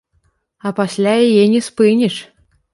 А пасля яе не спыніш.